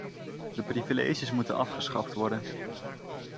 De privileges moeten afgeschaft worden.